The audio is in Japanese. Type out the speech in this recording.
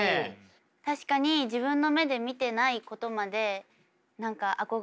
確かに自分の目で見てないことまで何か憧れを抱いていたり。